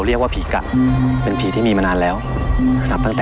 ริษยาอาฆาต